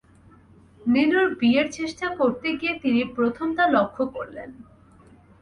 নীলুর বিয়ের চেষ্টা করতে গিয়ে তিনি প্রথম তা লক্ষ করলেন।